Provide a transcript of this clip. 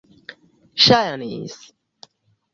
ŝajnis